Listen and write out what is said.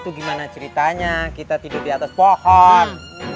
itu gimana ceritanya kita tidur di atas pohon